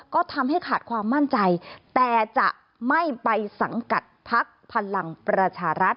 ก็ทำให้ขาดความมั่นใจแต่จะไม่ไปสังกัดพักพลังประชารัฐ